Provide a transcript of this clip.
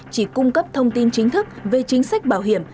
chỉ cung cấp thông tin chính thức về chính sách bảo hiểm